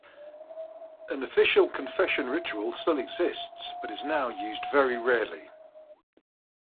An official confession ritual still exists, but is now used very rarely.